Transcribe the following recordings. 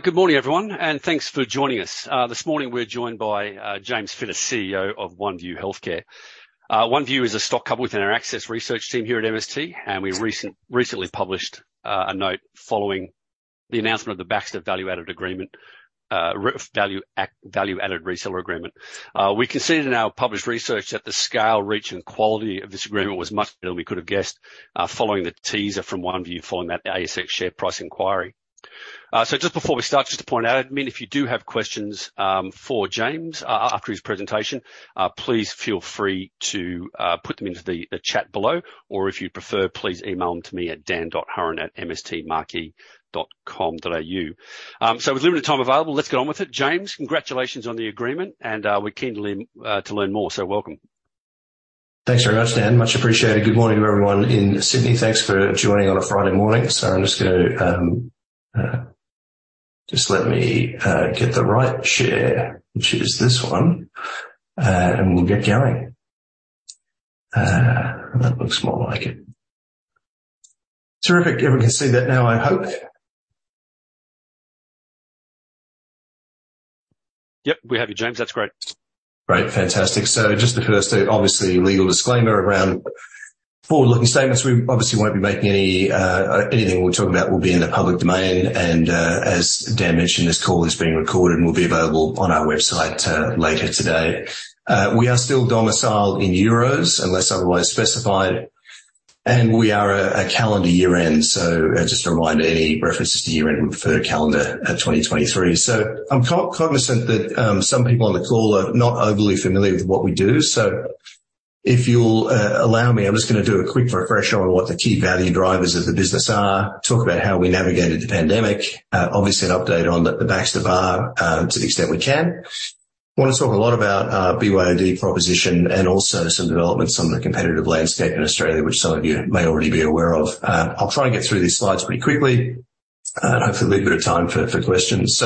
Good morning, everyone, thanks for joining us. This morning we're joined by James Fitter, CEO of Oneview Healthcare. Oneview is a stock couple within our access research team here at MST, we recently published a note following the announcement of the Baxter Value-Added Reseller Agreement. We can see it in our published research that the scale, reach, and quality of this agreement was much than we could have guessed following the teaser from Oneview following that ASX share price inquiry. Just before we start, just to point out, I mean, if you do have questions for James after his presentation, please feel free to put them into the chat below, or if you prefer, please email them to me at dan.hurren@mstmarquee.com.au. With limited time available, let's get on with it. James, congratulations on the agreement, and we're keen to learn to learn more. Welcome. Thanks very much, Dan. Much appreciated. Good morning, everyone in Sydney. Thanks for joining on a Friday morning. I'm just gonna just let me get the right share, which is this one, and we'll get going. That looks more like it. Terrific. Everyone can see that now, I hope? Yep, we have you, James. That's great. Great. Fantastic. Just the first thing, obviously, legal disclaimer around forward-looking statements. We obviously won't be making any, anything we're talking about will be in the public domain, and as Dan mentioned, this call is being recorded and will be available on our website later today. We are still domiciled in euros unless otherwise specified, and we are a calendar year-end. Just a reminder, any references to year-end refer to calendar 2023. I'm cognizant that some people on the call are not overly familiar with what we do. If you'll allow me, I'm just gonna do a quick refresher on what the key value drivers of the business are. Talk about how we navigated the pandemic. Obviously, an update on the Baxter VAR, to the extent we can. I wanna talk a lot about BYOD proposition and also some developments on the competitive landscape in Australia, which some of you may already be aware of. I'll try to get through these slides pretty quickly and hopefully leave a bit of time for questions.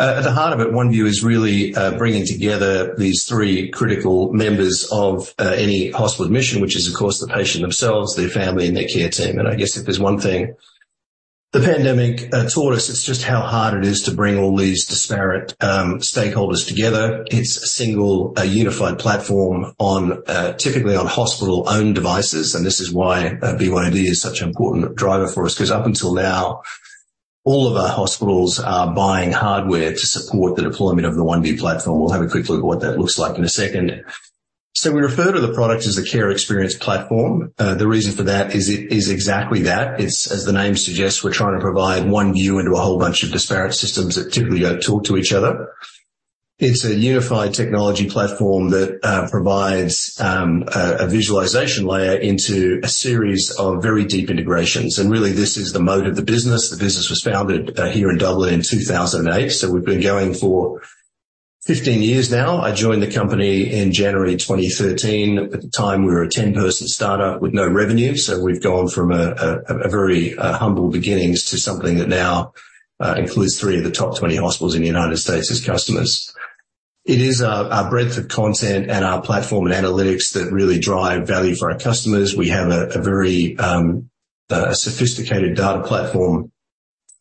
At the heart of it, Oneview is really bringing together these three critical members of any hospital admission, which is, of course, the patient themselves, their family, and their care team. I guess if there's one thing the pandemic taught us, it's just how hard it is to bring all these disparate stakeholders together. It's a single, a unified platform on typically on hospital-owned devices, and this is why BYOD is such an important driver for us. 'Cause up until now, all of our hospitals are buying hardware to support the deployment of the Oneview platform. We'll have a quick look at what that looks like in a second. We refer to the product as the Care Experience Platform. The reason for that is exactly that. It's, as the name suggests, we're trying to provide one view into a whole bunch of disparate systems that typically don't talk to each other. It's a unified technology platform that provides a visualization layer into a series of very deep integrations. Really, this is the mode of the business. The business was founded here in Dublin in 2008, so we've been going for 15 years now. I joined the company in January 2013. At the time, we were a 10-person startup with no revenue, so we've gone from a very humble beginnings to something that now includes three of the top 20 hospitals in the United States as customers. It is our breadth of content and our platform and analytics that really drive value for our customers. We have a very sophisticated data platform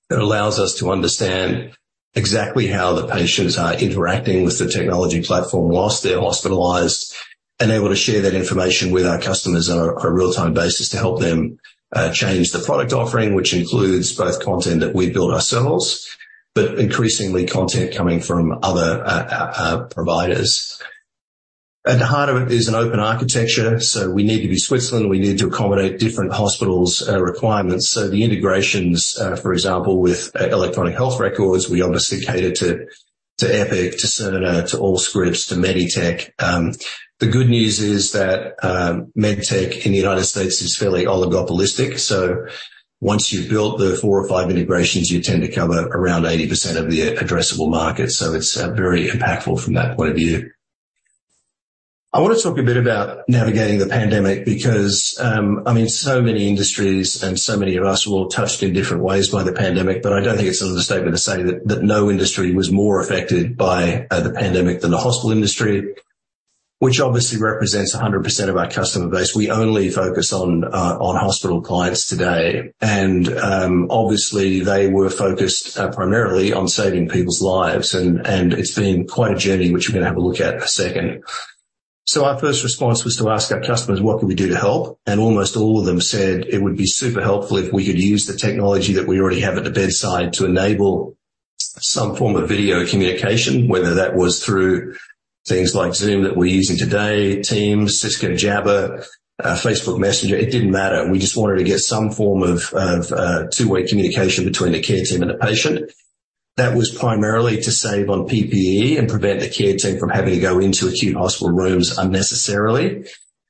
that allows us to understand exactly how the patients are interacting with the technology platform while they're hospitalized, and able to share that information with our customers on a real-time basis to help them change the product offering, which includes both content that we build ourselves, but increasingly content coming from other providers. At the heart of it is an open architecture. We need to be Switzerland. We need to accommodate different hospitals' requirements. The integrations, for example, with electronic health records, we obviously cater to Epic, to Cerner, to Allscripts, to MEDITECH. The good news is that MEDITECH in the United States is fairly oligopolistic, so once you've built the four or five integrations, you tend to cover around 80% of the addressable market. It's very impactful from that point of view. I want to talk a bit about navigating the pandemic because, I mean, so many industries and so many of us were touched in different ways by the pandemic, but I don't think it's an understatement to say that no industry was more affected by the pandemic than the hospital industry, which obviously represents 100% of our customer base. We only focus on on hospital clients today, and obviously, they were focused primarily on saving people's lives. It's been quite a journey, which we're gonna have a look at in a second. Our first response was to ask our customers: What can we do to help? Almost all of them said it would be super helpful if we could use the technology that we already have at the bedside to enable some form of video communication, whether that was through things like Zoom that we're using today, Teams, Cisco Jabber, Facebook Messenger. It didn't matter. We just wanted to get some form of two-way communication between the Care team and the patient. That was primarily to save on PPE and prevent the Care team from having to go into acute hospital rooms unnecessarily.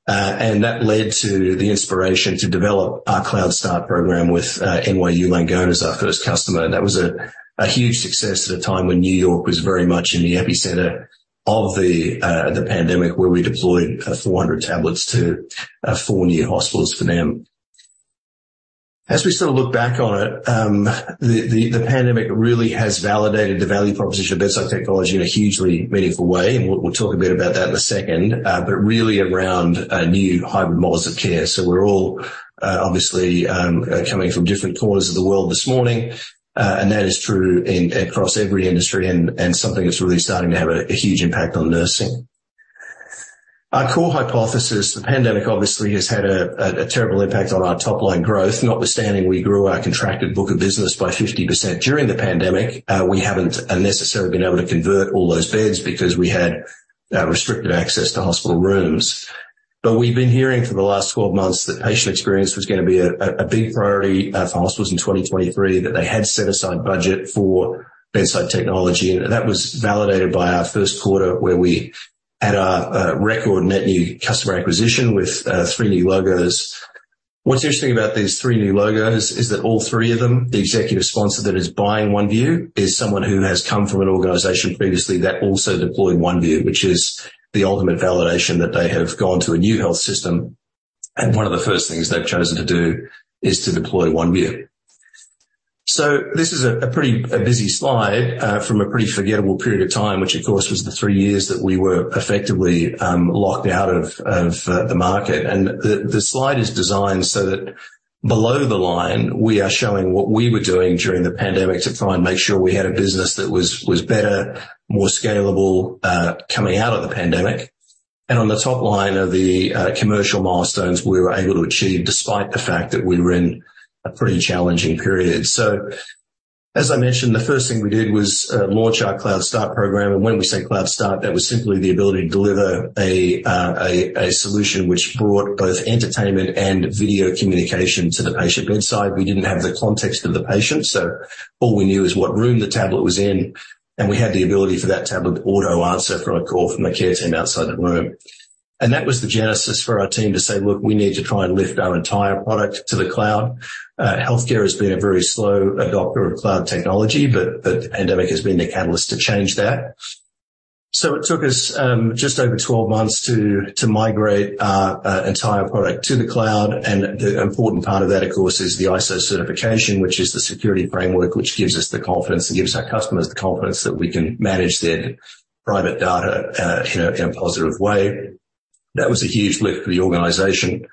That led to the inspiration to develop our Cloud Start program with NYU Langone as our first customer. That was a huge success at a time when New York was very much in the epicenter of the pandemic, where we deployed 400 tablets to four new hospitals for them. As we sort of look back on it, the pandemic really has validated the value proposition of bedside technology in a hugely meaningful way, and we'll talk a bit about that in a second, but really around new hybrid models of care. We're all obviously coming from different corners of the world this morning, and that is true in, across every industry and something that's really starting to have a huge impact on nursing. Our core hypothesis, the pandemic obviously has had a terrible impact on our top line growth. Notwithstanding, we grew our contracted book of business by 50%. During the pandemic, we haven't necessarily been able to convert all those beds because we had restricted access to hospital rooms. We've been hearing for the last 12 months that patient experience was gonna be a big priority for hospitals in 2023, that they had set aside budget for bedside technology, and that was validated by our Q1, where we had a record net new customer acquisition with three new logos. What's interesting about these three new logos is that all three of them, the executive sponsor that is buying Oneview, is someone who has come from an organization previously that also deployed Oneview, which is the ultimate validation that they have gone to a new health system, and one of the first things they've chosen to do is to deploy Oneview. This is a pretty busy slide from a pretty forgettable period of time, which, of course, was the three years that we were effectively locked out of the market. The slide is designed so that below the line, we are showing what we were doing during the pandemic to try and make sure we had a business that was better, more scalable, coming out of the pandemic. On the top line are the commercial milestones we were able to achieve, despite the fact that we were in a pretty challenging period. As I mentioned, the first thing we did was launch our Cloud Start program, and when we say Cloud Start, that was simply the ability to deliver a solution which brought both entertainment and video communication to the patient bedside. We didn't have the context of the patient, so all we knew is what room the tablet was in, and we had the ability for that tablet to auto answer from a call from the care team outside the room. That was the genesis for our team to say, "Look, we need to try and lift our entire product to the cloud." Healthcare has been a very slow adopter of cloud technology, but the pandemic has been the catalyst to change that. It took us just over 12 months to migrate our entire product to the cloud, and the important part of that, of course, is the ISO certification, which is the security framework, which gives us the confidence and gives our customers the confidence that we can manage their private data in a positive way. That was a huge lift for the organization.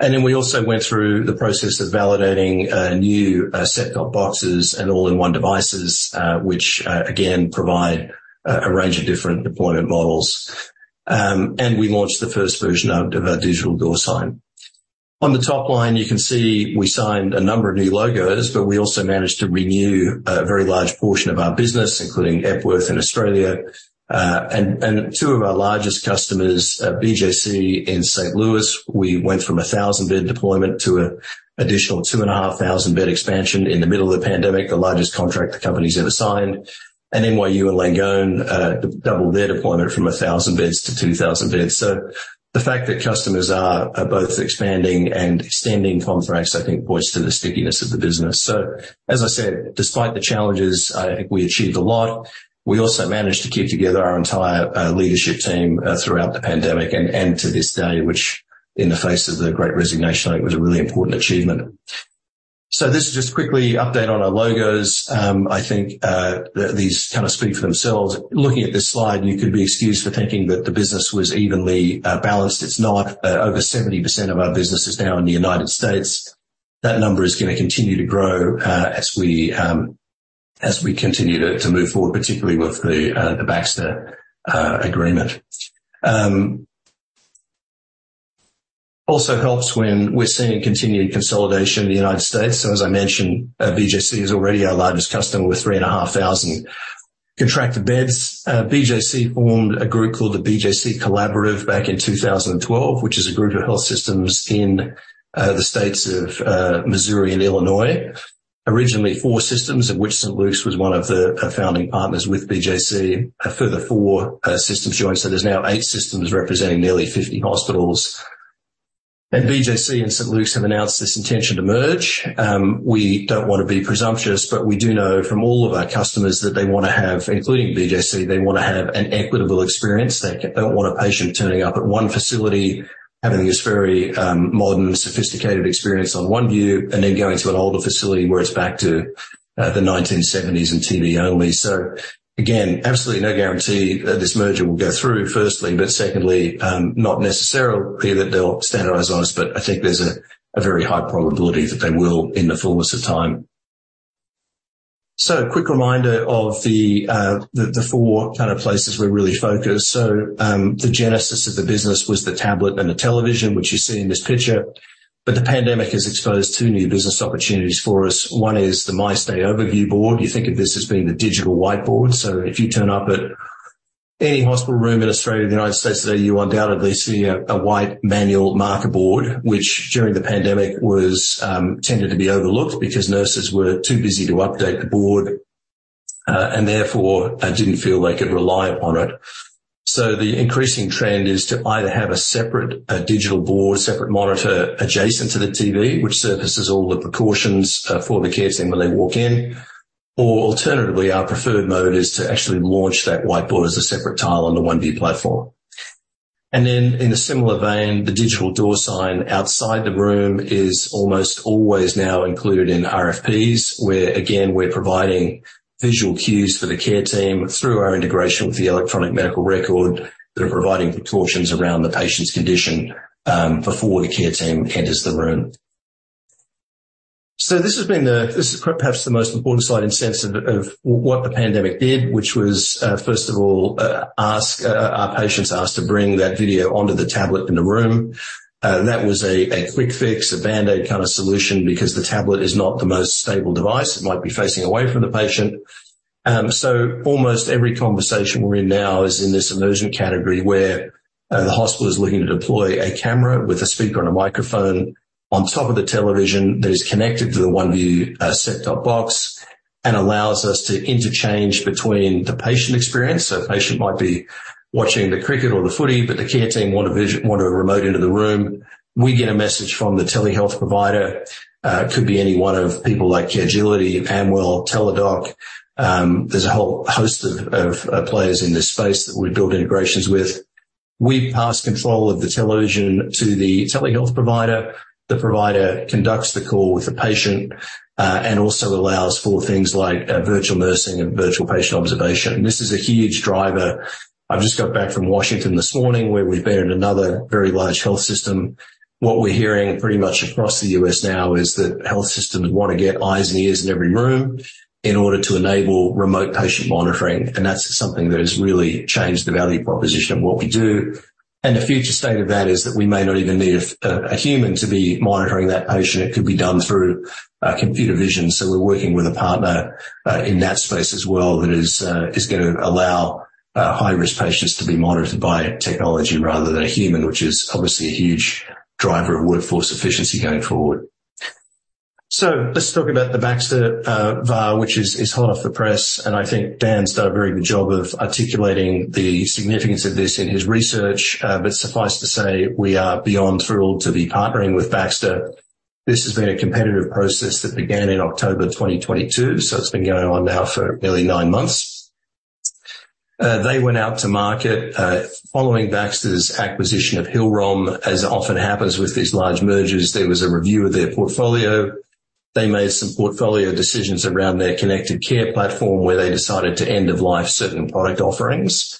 Then we also went through the process of validating new set-top boxes and all-in-one devices, which again provide a range of different deployment models. We launched the first version of our Digital Door Sign. On the top line, you can see we signed a number of new logos, but we also managed to renew a very large portion of our business, including Epworth in Australia, and two of our largest customers, BJC in St. Louis. We went from a 1,000-bed deployment to an additional 2,500-bed expansion in the middle of the pandemic, the largest contract the company's ever signed. NYU and Langone doubled their deployment from 1,000 beds to 2,000 beds. The fact that customers are both expanding and extending contracts, I think points to the stickiness of the business. As I said, despite the challenges, I think we achieved a lot. We also managed to keep together our entire leadership team throughout the pandemic and to this day, which in the face of the great resignation, it was a really important achievement. This is just quickly update on our logos. I think that these kind of speak for themselves. Looking at this slide, you could be excused for thinking that the business was evenly balanced. It's not. Over 70% of our business is now in the United States. That number is gonna continue to grow as we continue to move forward, particularly with the Baxter agreement. Also helps when we're seeing continued consolidation in the United States. As I mentioned, BJC is already our largest customer, with 3,500 contracted beds. BJC formed a group called the BJC Collaborative back in 2012, which is a group of health systems in the states of Missouri and Illinois. Originally four systems, of which Saint Luke's was one of the founding partners with BJC. A further four systems joined, so there's now eight systems representing nearly 50 hospitals. BJC and Saint Luke's have announced this intention to merge. We don't want to be presumptuous, but we do know from all of our customers that they want to have, including BJC, they want to have an equitable experience. They don't want a patient turning up at one facility, having this very modern, sophisticated experience on Oneview, and then going to an older facility where it's back to the 1970s and TV only. Again, absolutely no guarantee that this merger will go through, firstly, but secondly, not necessarily that they'll standardize on us, but I think there's a very high probability that they will in the fullness of time. A quick reminder of the four kind of places we're really focused. The genesis of the business was the tablet and the television, which you see in this picture, but the pandemic has exposed two new business opportunities for us. One is the MyStay Overview Board. You think of this as being the digital whiteboard. If you turn up at any hospital room in Australia or the United States today, you undoubtedly see a white manual marker board, which during the pandemic was tended to be overlooked because nurses were too busy to update the board, and therefore didn't feel they could rely upon it. The increasing trend is to either have a separate digital board, separate monitor, adjacent to the TV, which surfaces all the precautions for the care team when they walk in, or alternatively, our preferred mode is to actually launch that whiteboard as a separate tile on the Oneview platform. In a similar vein, the Digital Door Sign outside the room is almost always now included in RFPs, where, again, we're providing visual cues for the care team through our integration with the electronic medical record that are providing precautions around the patient's condition, before the Care team enters the room. This is perhaps the most important slide in sense of what the pandemic did, which was, first of all, our patients asked to bring that video onto the tablet in the room. That was a quick fix, a band-aid kind of solution, because the tablet is not the most stable device. It might be facing away from the patient. Almost every conversation we're in now is in this immersion category, where the hospital is looking to deploy a camera with a speaker and a microphone on top of the television that is connected to the Oneview set-top box, and allows us to interchange between the patient experience. A patient might be watching the cricket or the footy, but the care team want to remote into the room. We get a message from the telehealth provider. It could be any one of people like Caregility, Amwell, Teladoc. There's a whole host of players in this space that we build integrations with. We pass control of the television to the telehealth provider. The provider conducts the call with the patient and also allows for things like virtual nursing and virtual patient observation. This is a huge driver. I've just got back from Washington this morning, where we've been in another very large health system. What we're hearing pretty much across the U.S. now is that health systems want to get eyes and ears in every room in order to enable remote patient monitoring. That's something that has really changed the value proposition of what we do. The future state of that is that we may not even need a human to be monitoring that patient. It could be done through computer vision. We're working with a partner in that space as well, that is gonna allow high-risk patients to be monitored by technology rather than a human, which is obviously a huge driver of workforce efficiency going forward. Let's talk about the Baxter VAR, which is hot off the press, and I think Dan's done a very good job of articulating the significance of this in his research. Suffice to say, we are beyond thrilled to be partnering with Baxter. This has been a competitive process that began in October 2022, so it's been going on now for nearly nine months. They went out to market following Baxter's acquisition of Hill-Rom. As often happens with these large mergers, there was a review of their portfolio. They made some portfolio decisions around their connected care platform, where they decided to end of life certain product offerings,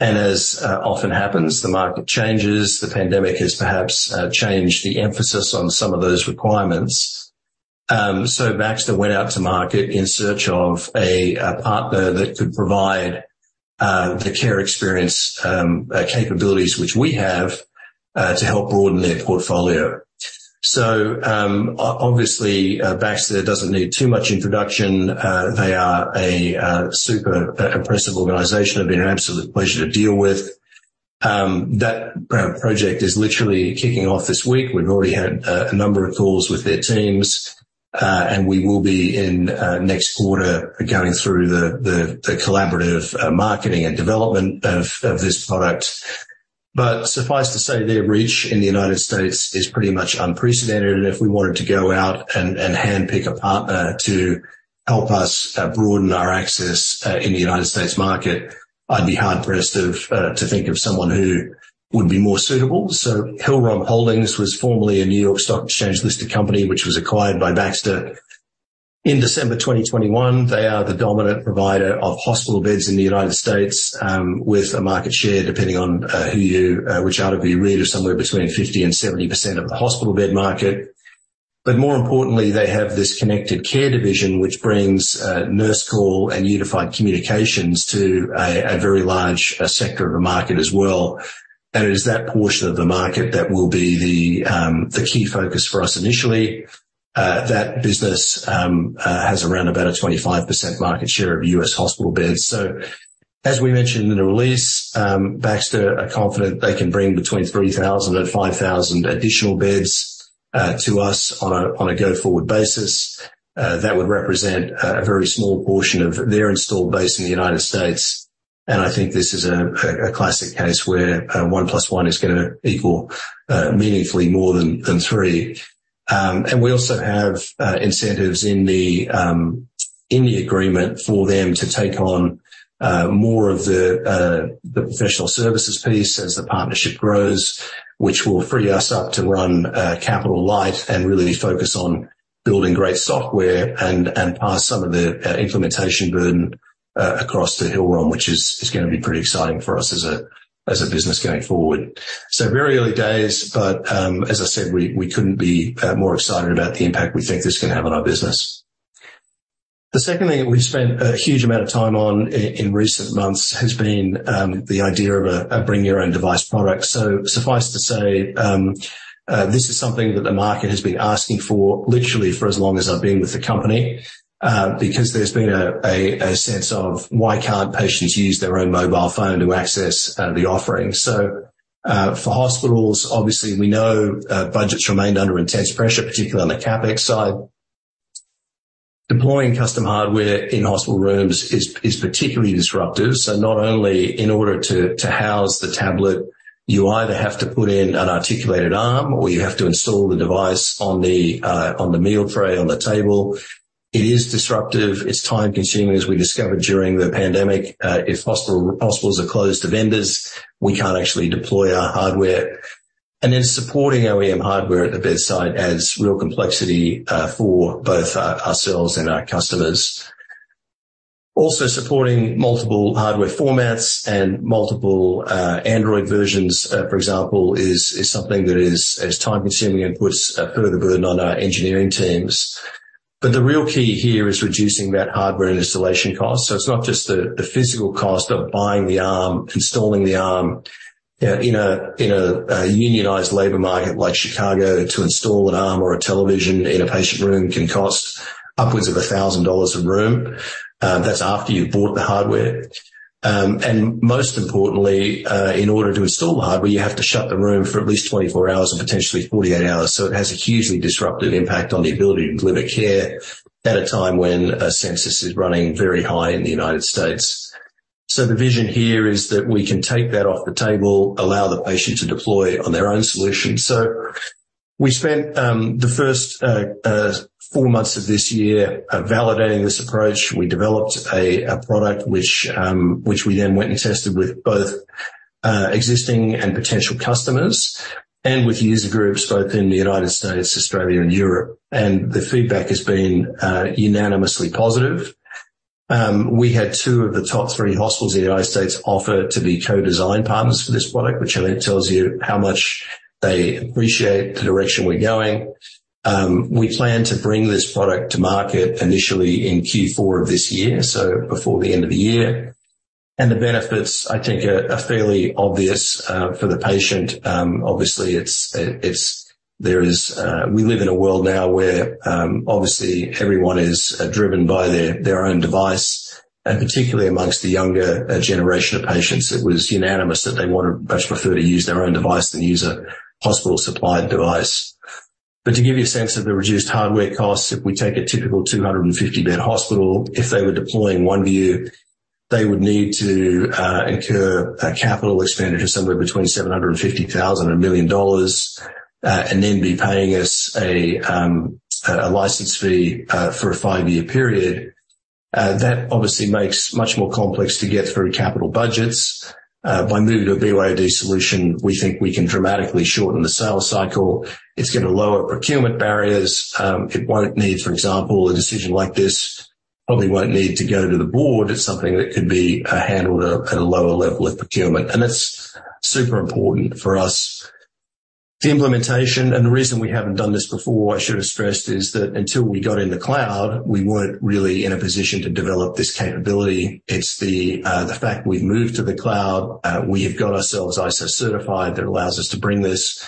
and as often happens, the market changes. The pandemic has perhaps changed the emphasis on some of those requirements. Baxter went out to market in search of a partner that could provide the Care Experience capabilities which we have to help broaden their portfolio. Obviously, Baxter doesn't need too much introduction. They are a super impressive organization, have been an absolute pleasure to deal with. That project is literally kicking off this week. We've already had a number of calls with their teams, and we will be in next quarter, going through the collaborative marketing and development of this product. Suffice to say, their reach in the United States is pretty much unprecedented, and if we wanted to go out and handpick a partner to help us broaden our access in the United States market, I'd be hard-pressed to think of someone who would be more suitable. Hill-Rom Holdings was formerly a New York Stock Exchange-listed company, which was acquired by Baxter in December 2021. They are the dominant provider of hospital beds in the United States, with a market share, depending on who you which out of you read, is somewhere between 50% and 70% of the hospital bed market. More importantly, they have this connected care division, which brings nurse call and unified communications to a very large sector of the market as well. It is that portion of the market that will be the key focus for us initially. That business has around about a 25% market share of US hospital beds. As we mentioned in the release, Baxter are confident they can bring between 3,000 and 5,000 additional beds to us on a go-forward basis. That would represent a very small portion of their installed base in the United States, and I think this is a classic case where 1 + 1 is gonna equal meaningfully more than 3. We also have incentives in the agreement for them to take on more of the professional services piece as the partnership grows, which will free us up to run capital light and really focus on building great software and pass some of the implementation burden across to Hill-Rom, which is gonna be pretty exciting for us as a business going forward. Very early days, but as I said, we couldn't be more excited about the impact we think this is gonna have on our business. The second thing that we've spent a huge amount of time on in recent months has been the idea of a bring your own device product. Suffice to say, this is something that the market has been asking for literally for as long as I've been with the company, because there's been a sense of why can't patients use their own mobile phone to access the offering? For hospitals, obviously, we know budgets remained under intense pressure, particularly on the CapEx side. Deploying custom hardware in hospital rooms is particularly disruptive. Not only in order to house the tablet, you either have to put in an articulated arm or you have to install the device on the meal tray on the table. It is disruptive, it's time-consuming, as we discovered during the pandemic. If hospitals are closed to vendors, we can't actually deploy our hardware. Then supporting OEM hardware at the bedside adds real complexity for both ourselves and our customers. Supporting multiple hardware formats and multiple Android versions, for example, is something that is time-consuming and puts a further burden on our engineering teams. The real key here is reducing that hardware installation cost. It's not just the physical cost of buying the arm, installing the arm. You know, in a unionized labor market like Chicago, to install an arm or a television in a patient room can cost upwards of $1,000 a room, that's after you've bought the hardware. Most importantly, in order to install the hardware, you have to shut the room for at least 24 hours and potentially 48 hours. It has a hugely disruptive impact on the ability to deliver care at a time when census is running very high in the United States. The vision here is that we can take that off the table, allow the patient to deploy on their own solution. We spent the first four months of this year validating this approach. We developed a product which we then went and tested with both existing and potential customers and with user groups both in the United States, Australia and Europe, and the feedback has been unanimously positive. We had two of the top three hospitals in the United States offer to be co-design partners for this product, which I think tells you how much they appreciate the direction we're going. We plan to bring this product to market initially in Q4 of this year, so before the end of the year. The benefits, I think, are fairly obvious for the patient. Obviously, there is, we live in a world now where obviously everyone is driven by their own device, and particularly amongst the younger generation of patients, it was unanimous that they wanna much prefer to use their own device than use a hospital-supplied device. To give you a sense of the reduced hardware costs, if we take a typical 250-bed hospital, if they were deploying Oneview, they would need to incur a capital expenditure somewhere between $750,000 and $1 million, and then be paying us a license fee for a five-year period. That obviously makes much more complex to get through capital budgets. By moving to a BYOD solution, we think we can dramatically shorten the sales cycle. It's gonna lower procurement barriers. It won't need, for example, a decision like this probably won't need to go to the board. It's something that could be handled at a lower level of procurement, that's super important for us. The implementation and the reason we haven't done this before, I should have stressed, is that until we got in the cloud, we weren't really in a position to develop this capability. It's the fact we've moved to the cloud, we have got ourselves ISO certified that allows us to bring this.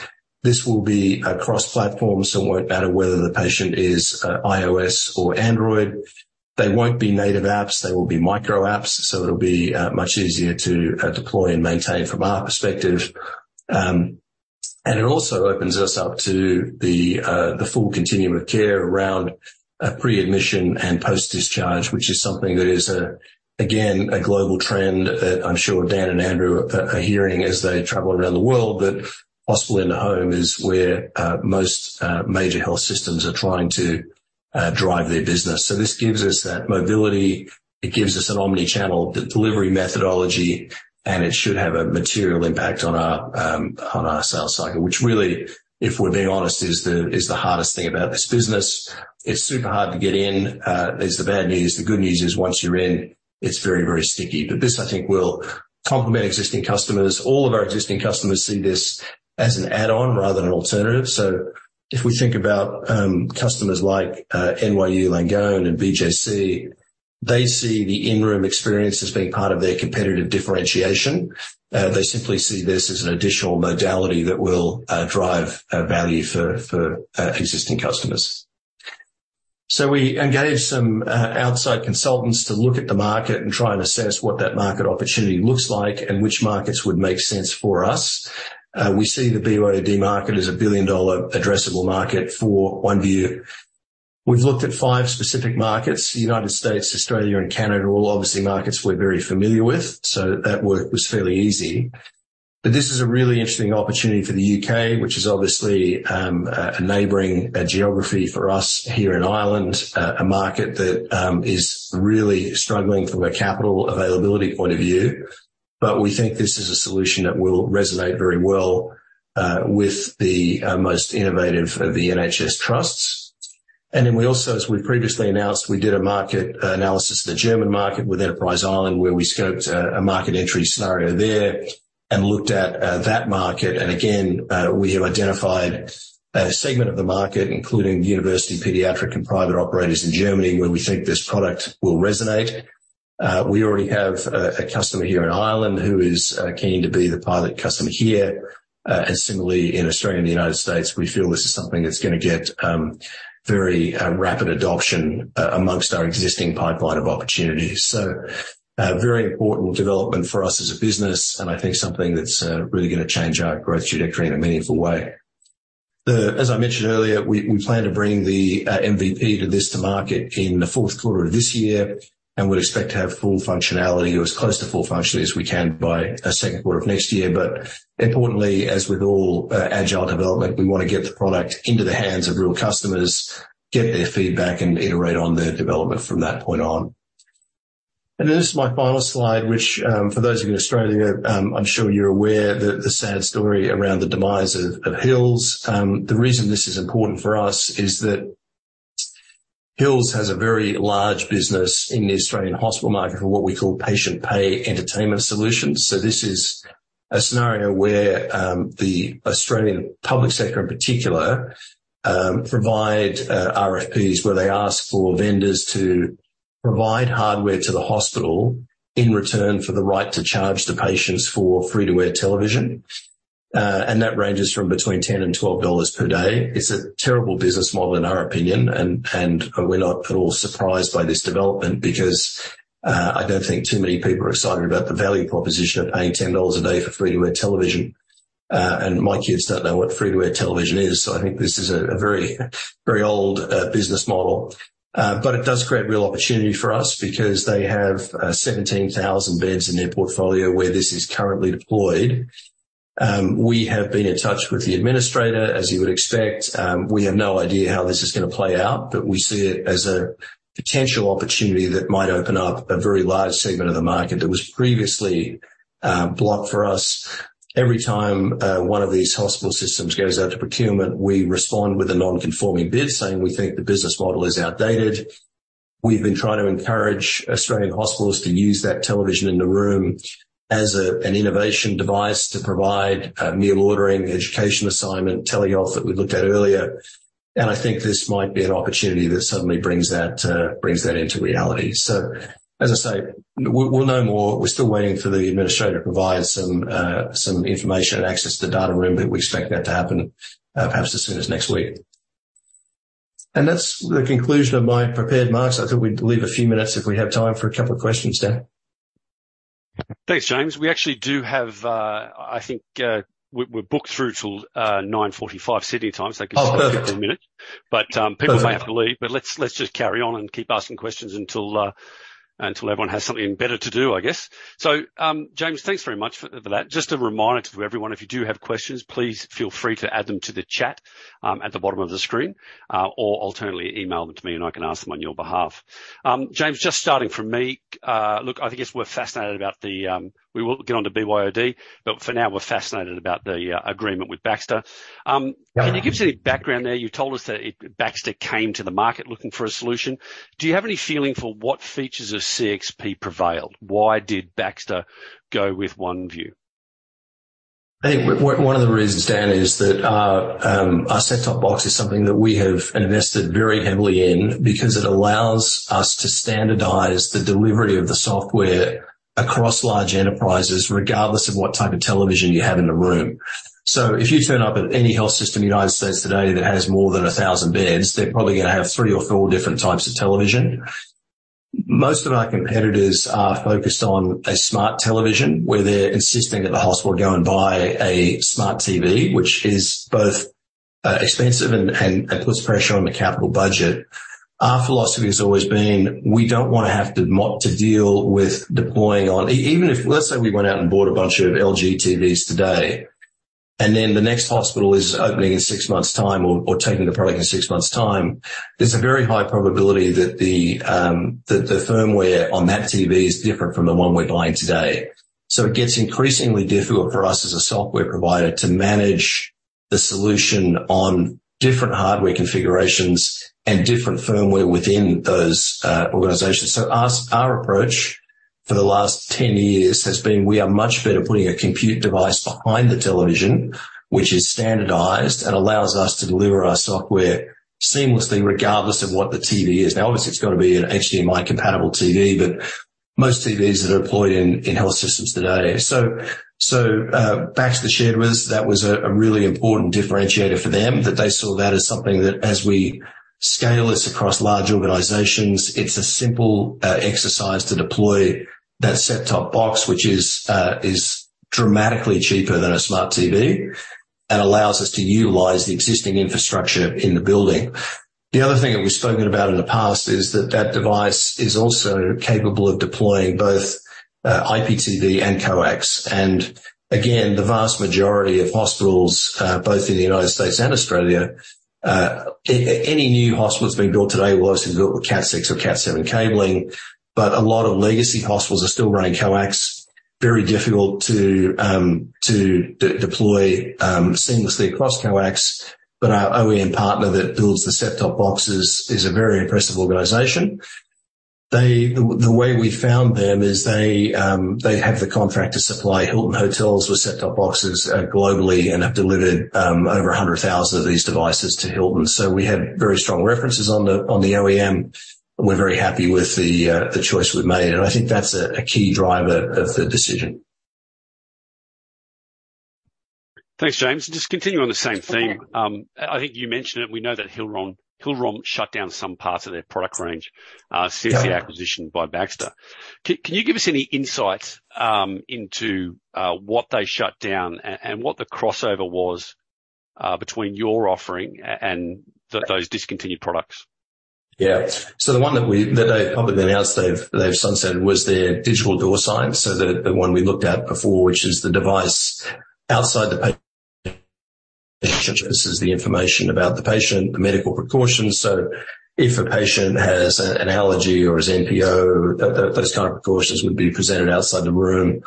This will be across platforms, so it won't matter whether the patient is iOS or Android. They won't be native apps, they will be micro apps, so it'll be much easier to deploy and maintain from our perspective. It also opens us up to the full continuum of care around pre-admission and post-discharge, which is something that is again, a global trend that I'm sure Dan and Andrew are hearing as they travel around the world, but hospital in the home is where most major health systems are trying to drive their business. This gives us that mobility, it gives us an omni-channel de-delivery methodology, and it should have a material impact on our sales cycle, which really, if we're being honest, is the hardest thing about this business. It's super hard to get in is the bad news. The good news is once you're in, it's very, very sticky. This, I think, will complement existing customers. All of our existing customers see this as an add-on rather than an alternative. If we think about customers like NYU Langone and BJC, they see the in-room experience as being part of their competitive differentiation. They simply see this as an additional modality that will drive value for existing customers. We engaged some outside consultants to look at the market and try and assess what that market opportunity looks like and which markets would make sense for us. We see the BYOD market as a billion dollar addressable market for Oneview. We've looked at five specific markets: United States, Australia, and Canada, all obviously markets we're very familiar with, so that work was fairly easy. This is a really interesting opportunity for the U.K., which is obviously, a neighboring geography for us here in Ireland, a market that is really struggling from a capital availability point of view. We think this is a solution that will resonate very well with the most innovative of the NHS trusts. We also, as we previously announced, we did a market analysis of the German market with Enterprise Ireland, where we scoped a market entry scenario there and looked at that market. We have identified a segment of the market, including university, pediatric, and private operators in Germany, where we think this product will resonate. We already have a customer here in Ireland who is keen to be the pilot customer here. Similarly in Australia and the United States, we feel this is something that's gonna get very rapid adoption amongst our existing pipeline of opportunities. Very important development for us as a business and I think something that's really gonna change our growth trajectory in a meaningful way. As I mentioned earlier, we plan to bring the MVP of this to market in the Q4 of this year, and we'd expect to have full functionality or as close to full functionality as we can by Q2 of next year. Importantly, as with all agile development, we wanna get the product into the hands of real customers, get their feedback, and iterate on the development from that point on. This is my final slide, which, for those of you in Australia, I'm sure you're aware that the sad story around the demise of Hills. The reason this is important for us is that Hills has a very large business in the Australian hospital market for what we call patient pay entertainment solutions. This is a scenario where the Australian public sector in particular provide RFPs, where they ask for vendors to provide hardware to the hospital in return for the right to charge the patients for free-to-air television. That ranges from between 10 and 12 dollars per day. It's a terrible business model, in our opinion, we're not at all surprised by this development, because I don't think too many people are excited about the value proposition of paying 10 dollars a day for free-to-air television. My kids don't know what free-to-air television is, I think this is a very, very old business model. It does create real opportunity for us because they have 17,000 beds in their portfolio where this is currently deployed. We have been in touch with the administrator, as you would expect. We have no idea how this is gonna play out, but we see it as a potential opportunity that might open up a very large segment of the market that was previously blocked for us. Every time, one of these hospital systems goes out to procurement, we respond with a non-conforming bid, saying we think the business model is outdated. We've been trying to encourage Australian hospitals to use that television in the room as a, an innovation device to provide, meal ordering, education assignment, Telehealth that we looked at earlier, and I think this might be an opportunity that suddenly brings that into reality. As I say, we'll know more. We're still waiting for the administrator to provide some information and access to the data room, but we expect that to happen, perhaps as soon as next week. That's the conclusion of my prepared remarks. I thought we'd leave a few minutes if we have time for a couple of questions, Dan. Thanks, James. We actually do have. I think we're booked through till 9:45 A.M. Sydney time. Oh, perfect. People may have to leave, but let's just carry on and keep asking questions until everyone has something better to do, I guess. James, thanks very much for that. Just a reminder to everyone, if you do have questions, please feel free to add them to the chat at the bottom of the screen. Alternately, email them to me, and I can ask them on your behalf. James, just starting from me, look, I guess we're fascinated about the, we will get onto BYOD, but for now, we're fascinated about the agreement with Baxter. Yeah. Can you give us any background there? You told us that Baxter came to the market looking for a solution. Do you have any feeling for what features of CXP prevailed? Why did Baxter go with Oneview? I think one of the reasons, Dan, is that our set-top box is something that we have invested very heavily in because it allows us to standardize the delivery of the software across large enterprises, regardless of what type of television you have in the room. If you turn up at any health system in the United States today that has more than 1,000 beds, they're probably gonna have three or four different types of television. Most of our competitors are focused on a smart television, where they're insisting that the hospital go and buy a smart TV, which is both expensive and puts pressure on the capital budget. Our philosophy has always been, we don't want to have to mop to deal with deploying even if, let's say, we went out and bought a bunch of LG TVs today, and then the next hospital is opening in six months' time or taking the product in six months' time, there's a very high probability that the firmware on that TV is different from the one we're buying today. It gets increasingly difficult for us as a software provider to manage the solution on different hardware configurations and different firmware within those organizations. Us, our approach for the last 10 years has been, we are much better putting a compute device behind the television, which is standardized and allows us to deliver our software seamlessly, regardless of what the TV is. Obviously, it's got to be an HDMI-compatible TV, but most TVs that are deployed in health systems today. Baxter shared with us, that was a really important differentiator for them, that they saw that as something that as we scale this across large organizations, it's a simple exercise to deploy that set-top box, which is dramatically cheaper than a smart TV and allows us to utilize the existing infrastructure in the building. The other thing that we've spoken about in the past is that that device is also capable of deploying both IPTV and coax. Again, the vast majority of hospitals, both in the United States and Australia, any new hospital that's being built today will obviously be built with Cat6 or Cat7 cabling, but a lot of legacy hospitals are still running coax. Very difficult to deploy seamlessly across coax, but our OEM partner that builds the set-top boxes is a very impressive organization. The way we found them is they have the contract to supply Hilton hotels with set-top boxes, globally, and have delivered, over 100,000 of these devices to Hilton. We have very strong references on the OEM, and we're very happy with the choice we've made, and I think that's a key driver of the decision. Thanks, James. Just continuing on the same theme. Mm-hmm. I think you mentioned it. We know that Hill-Rom shut down some parts of their product range. Yeah... since the acquisition by Baxter. Can you give us any insight, into what they shut down and what the crossover was between your offering and those discontinued products? The one that we, that they've publicly announced, they've sunsetted was their Digital Door Sign. The one we looked at before, which is the device outside the patient. This is the information about the patient, the medical precautions. If a patient has an allergy or is NPO, those kind of precautions would be presented outside the room.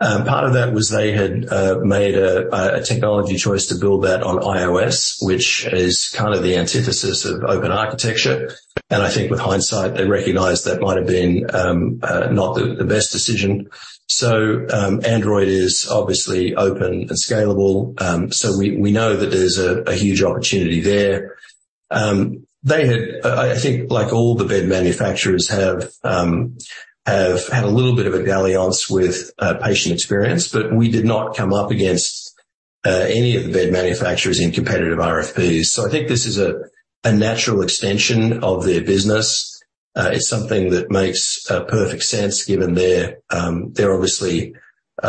Part of that was they had made a technology choice to build that on iOS, which is kind of the antithesis of open architecture. I think with hindsight, they recognized that might have been not the best decision. Android is obviously open and scalable, we know that there's a huge opportunity there. They had, I think like all the bed manufacturers have had a little bit of a dalliance with patient experience, but we did not come up against any of the bed manufacturers in competitive RFPs. I think this is a natural extension of their business. It's something that makes perfect sense given their, they're obviously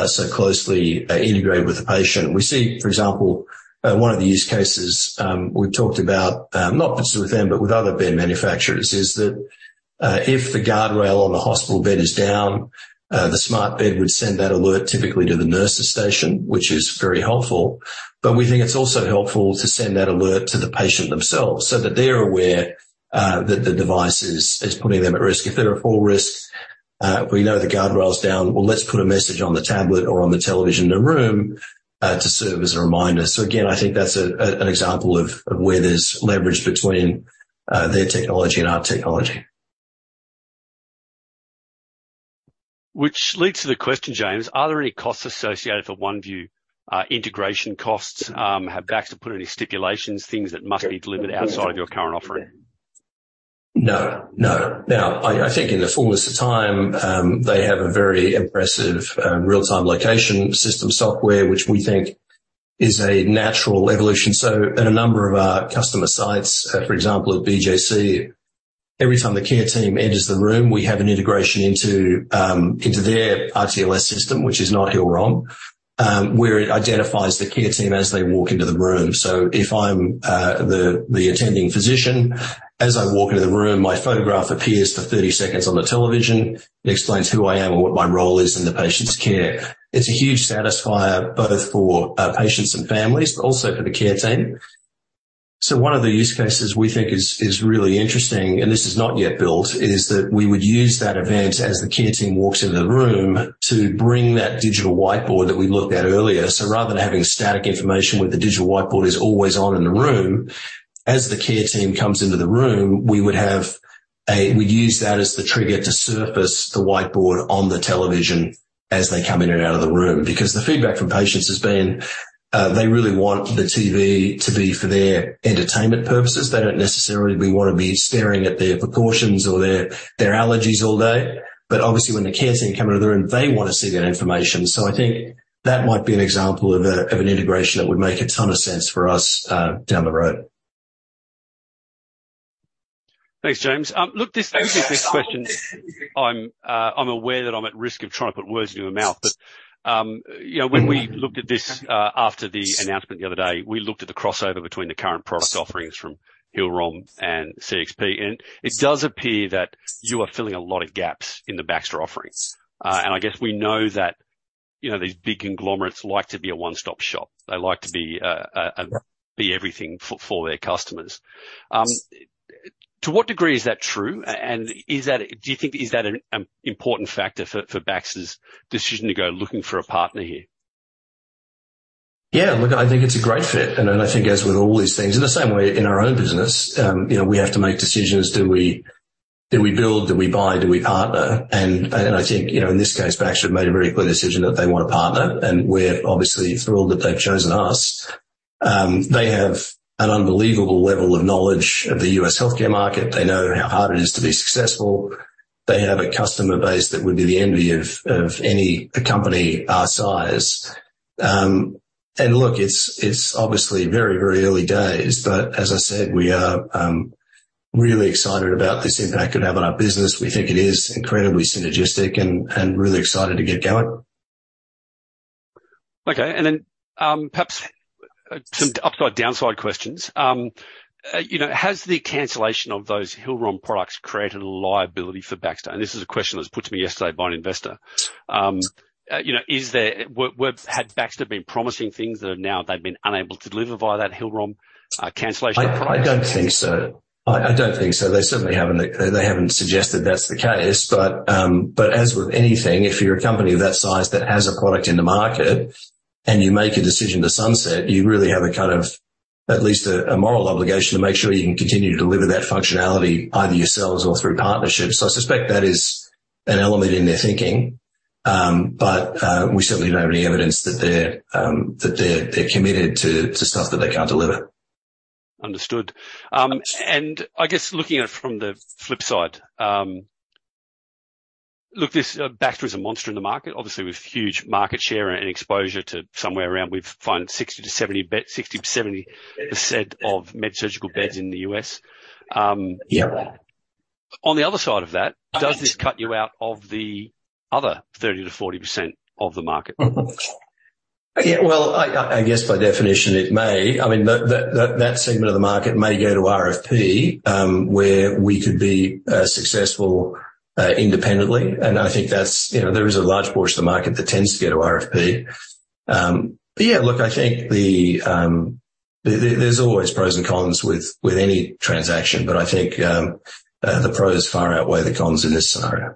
so closely integrated with the patient. We see, for example, one of the use cases we've talked about, not necessarily with them, but with other bed manufacturers, is that if the guardrail on the hospital bed is down, the smart bed would send that alert typically to the nurse's station, which is very helpful. We think it's also helpful to send that alert to the patient themselves so that they're aware that the device is putting them at risk. If they're at fall risk, we know the guardrail's down, well, let's put a message on the tablet or on the television in the room to serve as a reminder. Again, I think that's an example of where there's leverage between their technology and our technology. Which leads to the question, James: Are there any costs associated for Oneview, integration costs? Have Baxter put any stipulations, things that must be delivered outside of your current offering? No, no. I think in the fullness of time, they have a very impressive real-time location system software, which we think is a natural evolution. In a number of our customer sites, for example, at BJC, every time the care team enters the room, we have an integration into their RTLS system, which is not Hill-Rom, where it identifies the care team as they walk into the room. If I'm the attending physician, as I walk into the room, my photograph appears for 30 seconds on the television. It explains who I am and what my role is in the patient's care. It's a huge satisfier both for patients and families, but also for the Care team. One of the use cases we think is really interesting, and this is not yet built, is that we would use that event as the Care team walks into the room to bring that digital whiteboard that we looked at earlier. Rather than having static information where the digital whiteboard is always on in the room, as the Care team comes into the room, we would use that as the trigger to surface the whiteboard on the television as they come in and out of the room. The feedback from patients has been, they really want the TV to be for their entertainment purposes. They don't necessarily wanna be staring at their precautions or their allergies all day. Obviously, when the care team come into the room, they want to see that information. I think that might be an example of an integration that would make a ton of sense for us down the road. Thanks, James. Look, this, I think this question, I'm aware that I'm at risk of trying to put words in your mouth, but, you know, when we looked at this, after the announcement the other day, we looked at the crossover between the current product offerings from Hill-Rom and CXP, and it does appear that you are filling a lot of gaps in the Baxter offerings. I guess we know that, you know, these big conglomerates like to be a one-stop shop. They like to be everything for their customers. To what degree is that true? Is that, do you think, is that an important factor for Baxter's decision to go looking for a partner here? Look, I think it's a great fit, I think as with all these things, in the same way in our own business, you know, we have to make decisions. Do we build, do we buy, do we partner? I think, you know, in this case, Baxter made a very clear decision that they want to partner, and we're obviously thrilled that they've chosen us. They have an unbelievable level of knowledge of the U.S. healthcare market. They know how hard it is to be successful. They have a customer base that would be the envy of any company our size. Look, it's obviously very, very early days, but as I said, we are really excited about this impact it could have on our business. We think it is incredibly synergistic and really excited to get going. Perhaps some upside, downside questions. You know, has the cancellation of those Hill-Rom products created a liability for Baxter? This is a question that was put to me yesterday by an investor. You know, had Baxter been promising things that have now, they've been unable to deliver via that Hill-Rom cancellation of products? I don't think so. I don't think so. They certainly haven't suggested that's the case. As with anything, if you're a company of that size that has a product in the market and you make a decision to sunset, you really have a kind of, at least a moral obligation to make sure you can continue to deliver that functionality either yourselves or through partnerships. I suspect that is an element in their thinking, but we certainly don't have any evidence that they're committed to stuff that they can't deliver. Understood. I guess looking at it from the flip side, look, this, Baxter is a monster in the market, obviously, with huge market share and exposure to somewhere around, we've found 60%-70% bed, 60%-70% of med surgical beds in the U.S. Yeah. On the other side of that, does this cut you out of the other 30%-40% of the market? Mm-hmm. Yeah, well, I guess by definition, it may. I mean, that segment of the market may go to RFP, where we could be successful independently. I think that's, you know, there is a large portion of the market that tends to go to RFP. Yeah, look, I think there's always pros and cons with any transaction, but I think the pros far outweigh the cons in this scenario.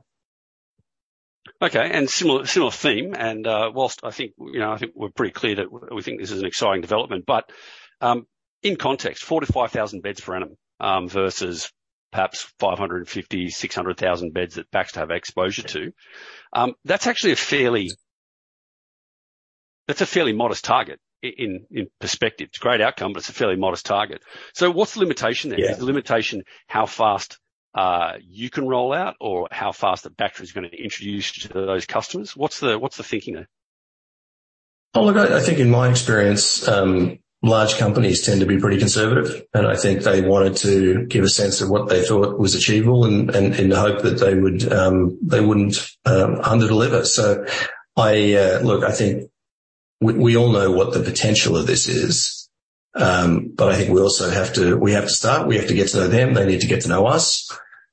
Okay, similar theme, whilst I think, you know, I think we're pretty clear that we think this is an exciting development. In context, 45,000 beds per annum versus perhaps 550,000-600,000 beds that Baxter have exposure to. That's actually a fairly modest target in perspective. It's a great outcome, but it's a fairly modest target. What's the limitation there? Yeah. Is the limitation how fast you can roll out, or how fast that Baxter is gonna introduce you to those customers? What's the thinking there? Well, look, I think in my experience, large companies tend to be pretty conservative, and I think they wanted to give a sense of what they thought was achievable and in the hope that they would, they wouldn't, underdeliver. I, look, I think we all know what the potential of this is, but I think we also have to start, we have to get to know them, they need to get to know us.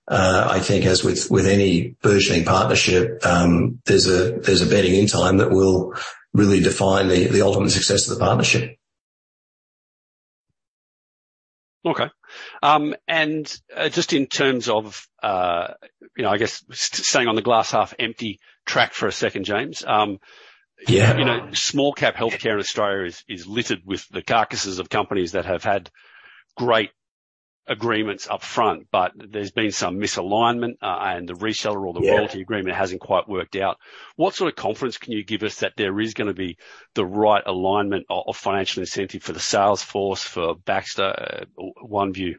I think as with any burgeoning partnership, there's a, there's a bedding-in time that will really define the ultimate success of the partnership. Okay. Just in terms of, you know, I guess staying on the glass half-empty track for a second, James, Yeah. You know, small cap healthcare in Australia is littered with the carcasses of companies that have had great agreements up front, but there's been some misalignment. Yeah Or the royalty agreement hasn't quite worked out. What sort of confidence can you give us that there is gonna be the right alignment of financial incentive for the sales force, for Baxter, Oneview?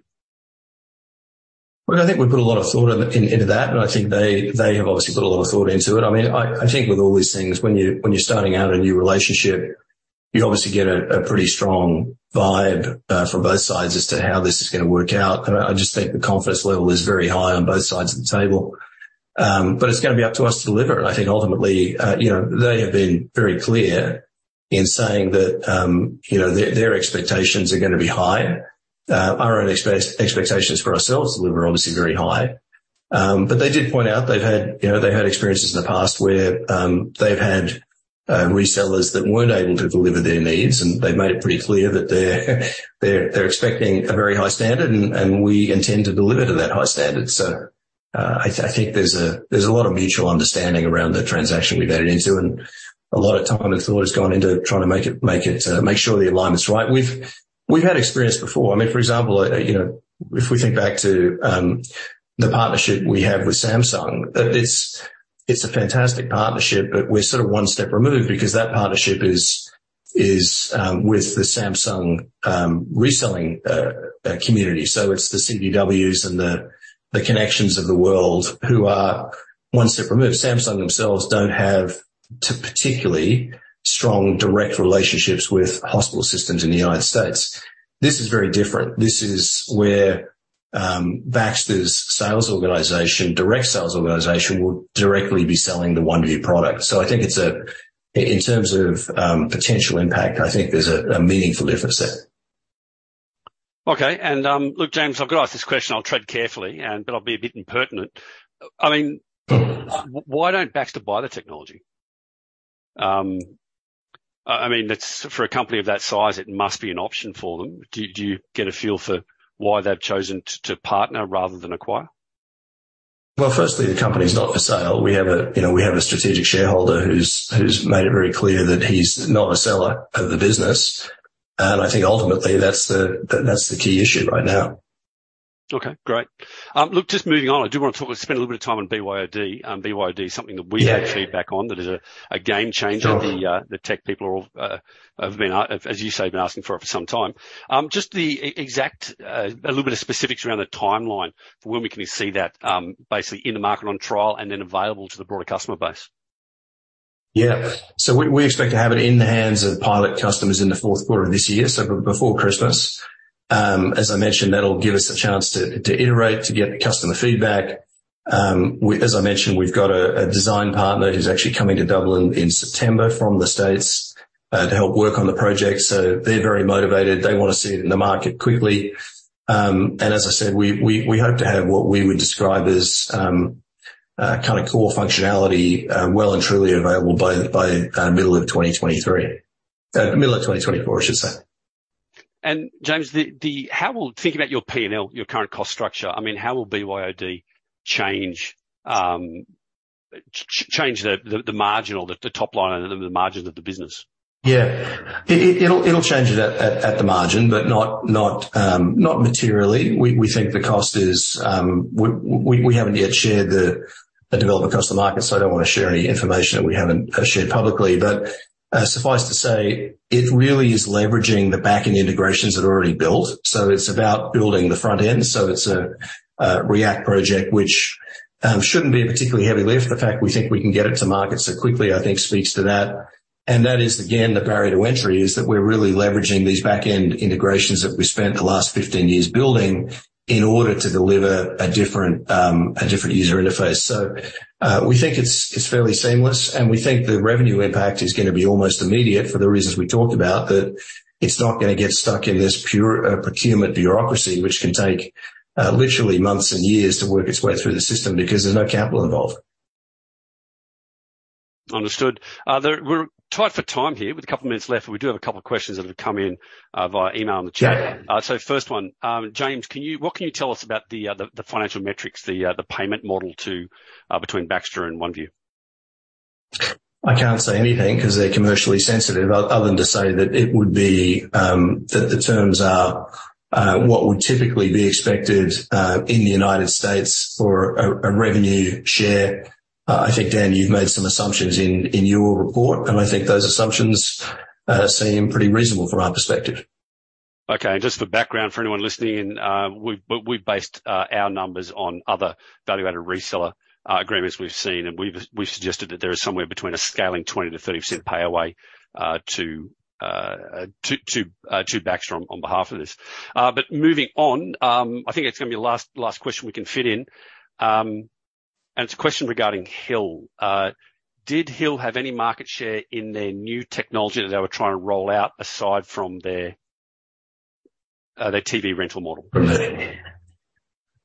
Well, I think we put a lot of thought into that, and I think they have obviously put a lot of thought into it. I mean, I think with all these things, when you're starting out a new relationship, you obviously get a pretty strong vibe from both sides as to how this is gonna work out. I just think the confidence level is very high on both sides of the table. It's gonna be up to us to deliver it. I think ultimately, you know, they have been very clear in saying that, you know, their expectations are gonna be high. Our own expectations for ourselves are obviously very high. They did point out they've had, you know, they've had experiences in the past where they've had resellers that weren't able to deliver their needs, and they made it pretty clear that they're expecting a very high standard, and we intend to deliver to that high standard. I think there's a lot of mutual understanding around the transaction we've entered into, a lot of time and thought has gone into trying to make it make sure the alignment's right. We've had experience before. I mean, for example, you know, if we think back to the partnership we have with Samsung, it's a fantastic partnership, but we're sort of one step removed because that partnership is with the Samsung reselling community. It's the CDW and the Connection of the world who are one step removed. Samsung themselves don't have particularly strong direct relationships with hospital systems in the United States. This is very different. This is where Baxter's sales organization, direct sales organization, will directly be selling the Oneview product. I think it's a, in terms of potential impact, I think there's a meaningful difference there. Look, James, I've got to ask this question. I'll tread carefully and, but I'll be a bit impertinent. I mean, why don't Baxter buy the technology? I mean, it's, for a company of that size, it must be an option for them. Do you get a feel for why they've chosen to partner rather than acquire? Well, firstly, the company is not for sale. We have a, you know, we have a strategic shareholder who's made it very clear that he's not a seller of the business. I think ultimately, that's the key issue right now. Okay, great. Look, just moving on, I do want to spend a little bit of time on BYOD. BYOD, something that we've had- Yeah... feedback on, that is a game changer. Sure. The tech people are all, as you say, been asking for it for some time. Just the exact a little bit of specifics around the timeline for when we can see that basically in the market on trial and then available to the broader customer base? We expect to have it in the hands of pilot customers in the Q4 of this year, so before Christmas. As I mentioned, that'll give us a chance to iterate, to get customer feedback. As I mentioned, we've got a design partner who's actually coming to Dublin in September from the States to help work on the project, so they're very motivated. They want to see it in the market quickly. As I said, we hope to have what we would describe as kind of core functionality well and truly available by middle of 2023, middle of 2024, I should say. James, Thinking about your P&L, your current cost structure, I mean, how will BYOD change the marginal, the top line and the margins of the business? Yeah. It'll change it at the margin, but not materially. We think the cost is, we haven't yet shared the development across the market, so I don't want to share any information that we haven't shared publicly. Suffice to say, it really is leveraging the back-end integrations that are already built, so it's about building the front end. It's a React project, which shouldn't be a particularly heavy lift. The fact we think we can get it to market so quickly, I think, speaks to that. That is, again, the barrier to entry, is that we're really leveraging these back-end integrations that we spent the last 15 years building in order to deliver a different user interface. We think it's fairly seamless, and we think the revenue impact is gonna be almost immediate for the reasons we talked about, that it's not gonna get stuck in this pure procurement bureaucracy, which can take literally months and years to work its way through the system because there's no capital involved. Understood. We're tight for time here. With a couple minutes left, we do have a couple of questions that have come in, via email and the chat. Yeah. First one, James, what can you tell us about the financial metrics, the payment model between Baxter and Oneview? I can't say anything because they're commercially sensitive, other than to say that it would be that the terms are what would typically be expected in the United States for a revenue share. I think, Dan, you've made some assumptions in your report, and I think those assumptions seem pretty reasonable from our perspective. Okay. Just for background, for anyone listening in, we've based our numbers on other value-added reseller agreements we've seen, and we've suggested that there is somewhere between a scaling 20%-30% pay away to Baxter on behalf of this. Moving on, I think it's gonna be the last question we can fit in. It's a question regarding Hill. Did Hill have any market share in their new technology that they were trying to roll out aside from their TV rental model?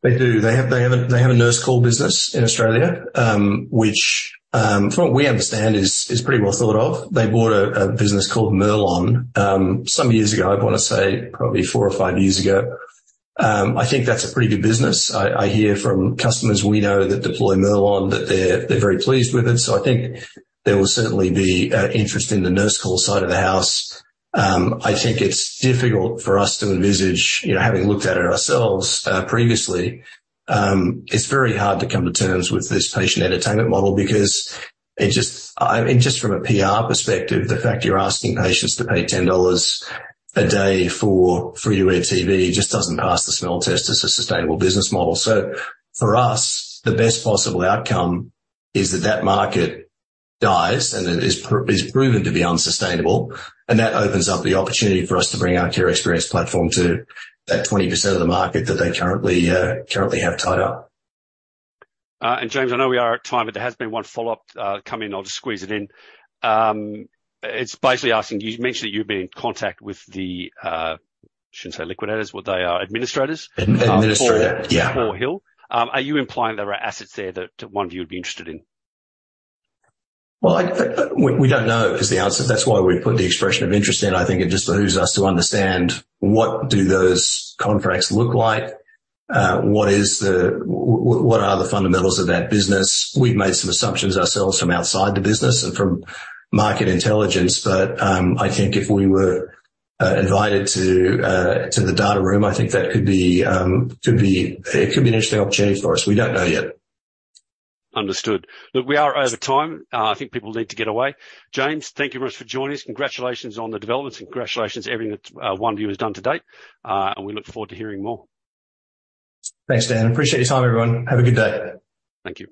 They do. They have a nurse call business in Australia, which, from what we understand, is pretty well thought of. They bought a business called Merlon, some years ago, I want to say probably four or five years ago. I think that's a pretty good business. I hear from customers we know that deploy Merlon, that they're very pleased with it. I think there will certainly be interest in the nurse call side of the house. I think it's difficult for us to envisage, you know, having looked at it ourselves, previously, it's very hard to come to terms with this patient entertainment model because it just, I mean, just from a PR perspective, the fact you're asking patients to pay 10 dollars a day for free to air TV just doesn't pass the smell test as a sustainable business model. For us, the best possible outcome is that that market dies, and it is proven to be unsustainable, and that opens up the opportunity for us to bring our Care Experience Platform to that 20% of the market that they currently have tied up. James, I know we are at time. There has been one follow-up come in. I'll just squeeze it in. It's basically asking, you mentioned that you've been in contact with the, I shouldn't say liquidators, what they are, administrators? Administrator, yeah. For Hill, are you implying there are assets there that Oneview would be interested in? Well, I we don't know, is the answer. That's why we put the expression of interest in. I think it just allows us to understand what do those contracts look like? what are the fundamentals of that business? We've made some assumptions ourselves from outside the business and from market intelligence, but I think if we were invited to the data room, I think that could be an interesting opportunity for us. We don't know yet. Understood. Look, we are over time. I think people need to get away. James, thank you very much for joining us. Congratulations on the developments. Congratulations, everything that Oneview has done to date, we look forward to hearing more. Thanks, Dan. Appreciate your time, everyone. Have a good day. Thank you.